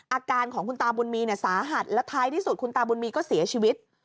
อาการของคุณตาบุญมีเนี่ยสาหัสและท้ายที่สุดคุณตาบุญมีก็เสียชีวิต